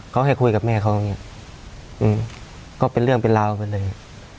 เขาให้คุยกับแม่เขาอย่างนี้ก็เป็นเรื่องเป็นราวไปเลย